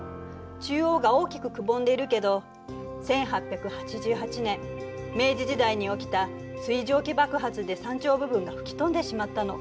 中央が大きくくぼんでいるけど１８８８年明治時代に起きた水蒸気爆発で山頂部分が吹き飛んでしまったの。